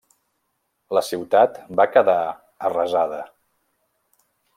La ciutat va quedar arrasada.